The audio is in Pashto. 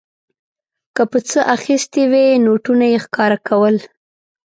که په څه اخیستې وې نوټونه یې ښکاره کول.